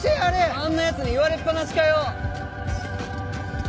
あんなやつに言われっぱなしかよ！